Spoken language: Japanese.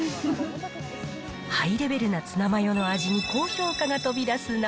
ハイレベルなツナマヨの味に高評価が飛び出す中。